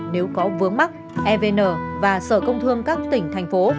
nếu có vướng mắc evn và sở công thương các tỉnh thành phố